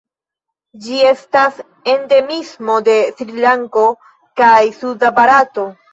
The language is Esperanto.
Ĝi estas endemismo de Srilanko kaj suda Barato.